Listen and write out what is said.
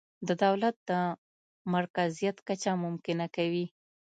د دولت د مرکزیت کچه ممکنه کوي.